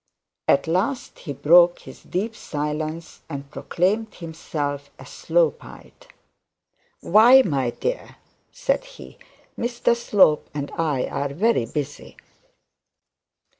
At last he broke his deep silence and proclaimed himself a Slopeite. 'Why, my dear,' said he, 'Mr Slope and I are very busy.'